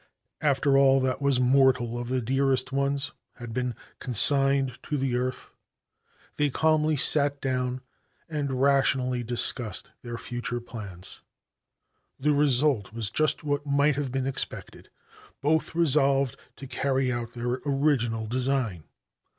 After all that was mortal of their dearest ones had been consigned to the earth they calmly sat down and rationally discussed their future plans. The result was just what might have been expected. Both resolved to carry out their original design.